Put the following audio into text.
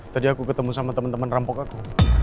tadi aku ketemu sama temen temen rampok aku